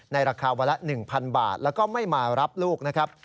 ราคาวันละ๑๐๐บาทแล้วก็ไม่มารับลูกนะครับ